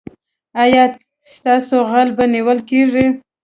ایا ستاسو غل به نیول کیږي؟